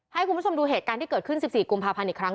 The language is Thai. ให้คุณผู้ชมดูเหตุการณ์ที่เกิดขึ้น๑๔กุมภาพันธ์อีกครั้ง